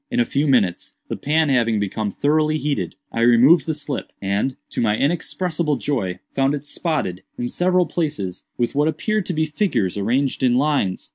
In a few minutes, the pan having become thoroughly heated, I removed the slip, and, to my inexpressible joy, found it spotted, in several places, with what appeared to be figures arranged in lines.